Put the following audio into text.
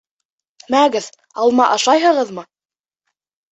Мәгеҙ, алма ашайһығыҙмы?